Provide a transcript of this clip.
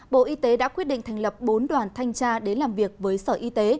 bộ y tế đã quyết định thành lập bốn đoàn thanh tra để làm việc với sở y tế